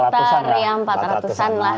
sekitar empat ratus an lah ada kita